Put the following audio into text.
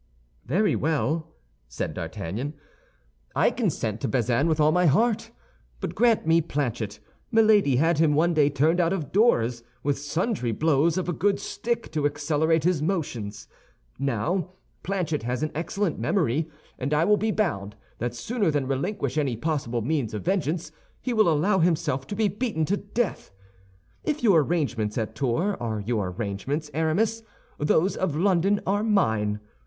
"Very well," said D'Artagnan, "I consent to Bazin with all my heart, but grant me Planchet. Milady had him one day turned out of doors, with sundry blows of a good stick to accelerate his motions. Now, Planchet has an excellent memory; and I will be bound that sooner than relinquish any possible means of vengeance, he will allow himself to be beaten to death. If your arrangements at Tours are your arrangements, Aramis, those of London are mine.